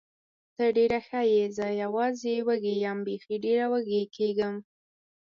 ته ډېره ښه یې، زه یوازې وږې یم، بېخي ډېره وږې کېږم.